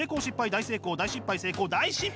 大成功大失敗成功大失敗！